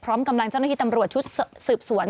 พร้อมกำลังเจ้าหน้าที่ตำรวจชุดสืบสวน